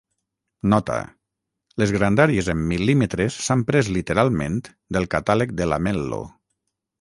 Nota: les grandàries en mil·límetres s'han pres literalment del catàleg de Lamello.